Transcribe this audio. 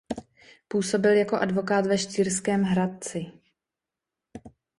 Působil jako advokát ve Štýrském Hradci.